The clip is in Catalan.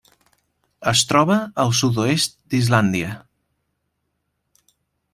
Es troba al sud-oest d'Islàndia.